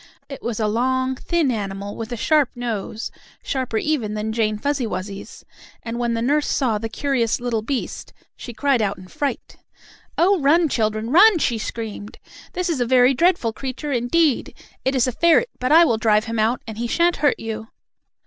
It was a long, thin animal, with a sharp nose, sharper even than Jane Fuzzy Wuzzy's, and when the nurse saw the curious little beast, she cried out in fright: "Oh, run, children! Run!" she screamed. "This is a very dreadful creature indeed! It is a ferret, but I will drive him out, and he shan't hurt you!"